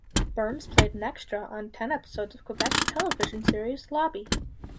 Burns played an extra on ten episodes of Quebec television series Lobby.